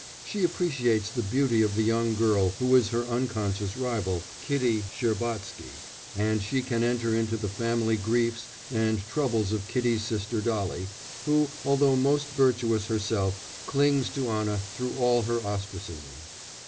She appreciates the beauty of the young girl who is her unconscious rival, Kitty Shcherbatsky, and she can enter into the family griefs and troubles of Kitty's sister Dolly, who, although most virtuous herself, clings to Anna through all her ostracism.